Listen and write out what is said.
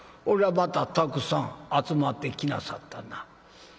こらまたたくさん集まってきなさったな。